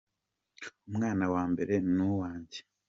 Umwana wambere nuwange.